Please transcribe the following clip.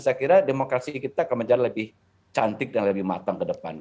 saya kira demokrasi kita akan menjadi lebih cantik dan lebih matang ke depan